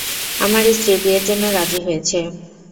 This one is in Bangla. আমার স্ত্রী বিয়ের জন্য রাজি হয়েছে।